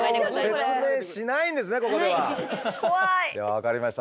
分かりました。